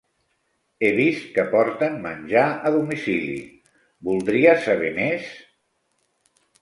He vist que porten menjar a domicili, voldria saber més?